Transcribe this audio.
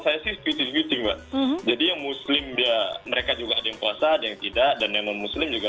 saya sih jadi yang muslim dia mereka juga ada yang puasa ada yang tidak dan non muslim juga